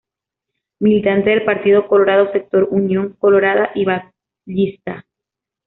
Militante del Partido Colorado, sector Unión Colorada y Batllista.